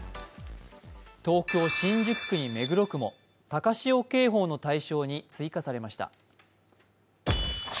東京・新宿区に目黒区も高潮警報の対象に追加されました。